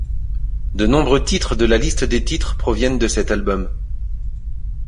De nombreux titres de la liste des titres proviennent de cet album.